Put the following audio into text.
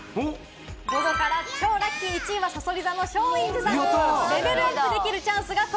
午後から超ラッキー、１位はさそり座の松陰寺さん。